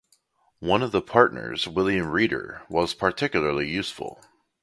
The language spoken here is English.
One of the partners William Reader was particularly useful.